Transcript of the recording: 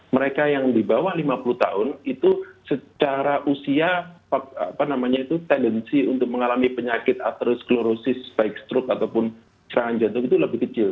mereka yang di bawah lima puluh tahun itu secara usia tendensi untuk mengalami penyakit atherosklorosis baik stroke ataupun serangan jantung itu lebih kecil